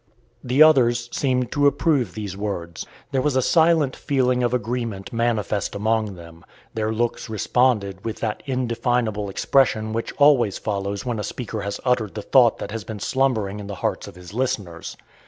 The others seemed to approve these words. There was a silent feeling of agreement manifest among them; their looks responded with that indefinable expression which always follows when a speaker has uttered the thought that has been slumbering in the hearts of his listeners.